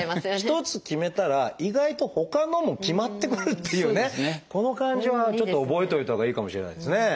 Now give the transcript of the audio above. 一つ決めたら意外とほかのも決まってくるっていうこの感じはちょっと覚えておいたほうがいいかもしれないですね。